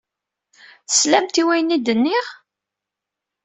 Teslamt i wayen ay d-nniɣ?